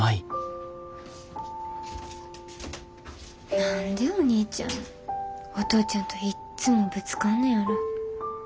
何でお兄ちゃんお父ちゃんといっつもぶつかんねやろ。